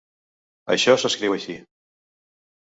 Això s'escriu així.